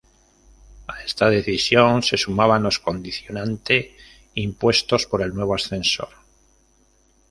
A esta decisión se sumaba los condicionante impuestos por el nuevo ascensor.